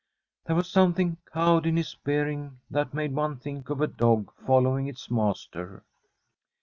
There was something cowed in his bearing that made one think of a dog following its master.